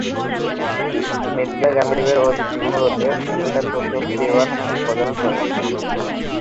মির্জা গালিবের অনুরোধে তিনি তার প্রথম দিওয়ান সম্পাদনা করেন।